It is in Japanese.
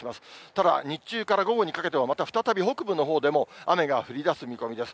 ただ、日中から午後にかけては、また再び北部のほうでも雨が降りだす見込みです。